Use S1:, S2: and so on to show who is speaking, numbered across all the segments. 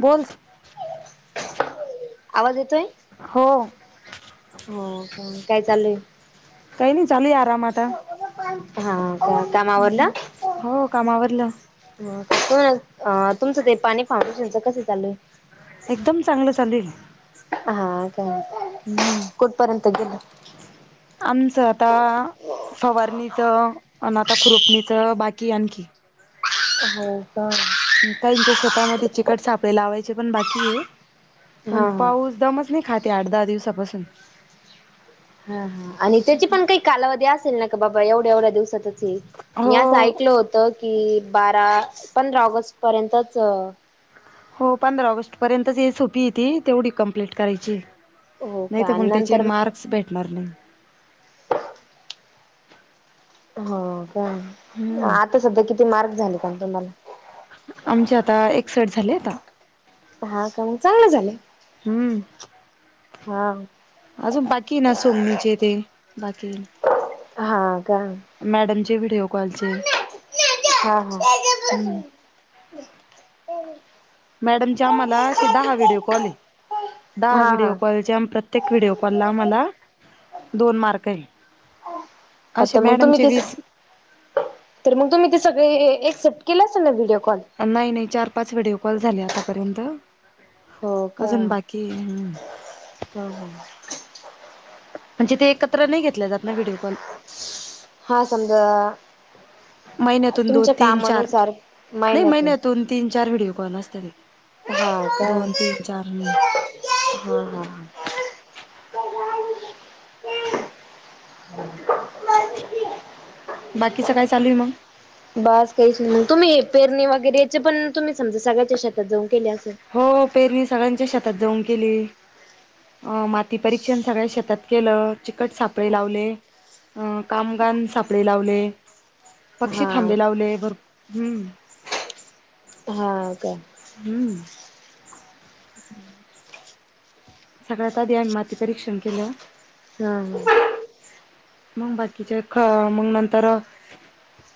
S1: बोल.
S2: आवाज येतोय.
S1: हो.
S2: हो का काय चाल आहे.
S1: काही नाही चालू आहे आराम आता
S2: हा का. काम आवरलं
S1: हो काम आवरलं
S2: [unintelligible] तुमचं ते पाणी पाहतो सिंचन कस चालू आहे.
S1: एकदम चांगलं चालू आहे.
S2: हा का.
S1: हम्म.
S2: कुठपर्यंत गेलं?
S1: आमचं आता फवारणीचं आणि आता खुरुपणीचं बाकी आणखी
S2: हो का.
S1: त्यांच्या शेतामध्ये चिकट सापळे लावायचे बाकी आहे पण
S2: हा हा
S1: पाऊस दमच नाही खात आहे आठ दहा दिवसापासून
S2: हा हा आणि त्याची पण काही कालावधी असेल ना का बाबा एवढ्या एवढ्या दिवसातच ते मी असं
S1: हो
S2: ऐकलं होत की बारा पंधरा ऑगस्ट पर्यंतच
S1: हो पंधरा ऑगस्ट पर्यंतच सोपी आहे ती तेवढी कंप्लीट करायची
S2: हो
S1: नाही तर
S2: का
S1: पण त्याचे
S2: नंतर
S1: मार्क्स भेटणार नाही.
S2: हो का,
S1: हम्म
S2: आता सध्या किती मार्क्स झाले पण तुम्हाला?
S1: आमचे आता एकसठ झाले आता.
S2: हा का मग चांगले झाले.
S1: हम्म.
S2: हा
S1: अजून बाकी ना सोगणीचे ते बाकी आहे.
S2: हा का.
S1: मॅडमचे व्हिडिओ कॉलचे
S2: हा हा.
S1: हम्म मॅडमचे आम्हाला असे दहा व्हिडिओ कॉल आहे,
S2: हा
S1: दहा
S2: हा हा
S1: व्हिडिओ कॉलचे आ प्रत्ये प्रत्येक व्हिडिओ कॉल ला आम्हाला दोन मार्क आहे. असे
S2: आता मग तुम्ही
S1: मॅडमचे
S2: ते
S1: वीस
S2: तर मग तुम्ही ते सगळे ऍक्सेप्ट केलं असेल ना व्हिडिओ कॉल.
S1: नाही नाही चार पाच व्हिडिओ कॉल झाले आतापर्यंत.
S2: हो का.
S1: अजून बाकी म्हणजे
S2: हा हा.
S1: म्हणजे ते एकत्र नाहीे घेतले जात ना व्हिडिओ कॉल.
S2: हा समजा.
S1: महिन्यातून दोन,
S2: तुमच्या
S1: तीन, चार
S2: कामानुसार
S1: नाही. महिन्यातून दोन, तीन, चार व्हिडिओ कॉल असत ते.
S2: हा का.
S1: चार न.
S2: हा हा ह.
S1: बाकीच काय चालू आहे मग?
S2: बास काहीच नाही मग, तुम्ही हे पेरणी वगैरे याचे पण तुम्ही समजा सगळ्याच्या शेतात जाऊन केले असं.
S1: हो पेरणी सगळ्यांच्या शेतात जाऊन केली. अ मातीपरीक्षण सगळ्या शेतात केलं. चिकट सापळे लावले. अं कामगान सापडे लावले. पक्षी
S2: हा
S1: थांबे लावले भर. हम्म.
S2: हा का.
S1: हम्म.
S2: हम्म.
S1: सगळ्यात आधी आम्ही माती परीक्षण केलं.
S2: हम.
S1: मग बाकीचे ख मग नंतर,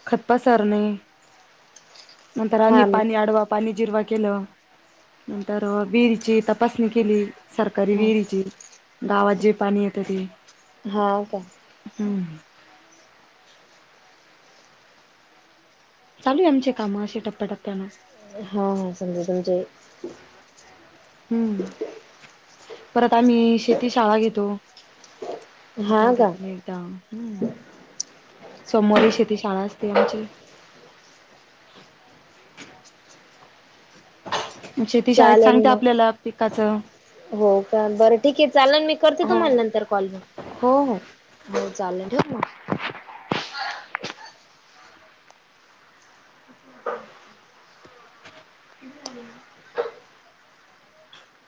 S1: खत पसरले. नंतर आम्ही
S2: हा
S1: पाणी अडवा पाणी जिरवा केलं. नंतर विहरीची तपासणी केली. सरकारी विहिरीची. गावात जे पाणी येतं ते.
S2: हाव का.
S1: हम्म. चालू आहे आमचे काम अशे टप्प्याटप्प्यानं.
S2: हा समजू जे
S1: हम्म. परत आम्ही शेती शाळा घेतो.
S2: हा का
S1: आठवड्यातून एकदा. हम्म. सोमवारी शेती शाळा असते आमची. शेती शाळेत
S2: चालेल
S1: सांगते
S2: मग
S1: आपल्याला पिकाचं
S2: हो. बरं ठीक आहे. चालेल करते
S1: हो
S2: तुम्हाला नंतर कॉल. हो. चालेल ठेऊ मग.